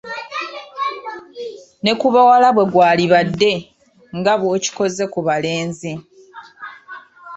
Ne ku bawala bwe gwalibadde nga bw'okikoze ku balenzi!